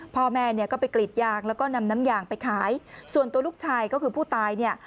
พ่อแม่เนี่ยก็ไปกรีดยางแล้วก็นำน้ำยางไปขายส่วนตัวลูกชายก็คือผู้ตายเนี่ย